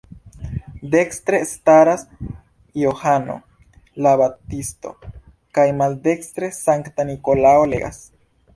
Dekstre staras Johano la Baptisto, kaj maldekstre Sankta Nikolao legas.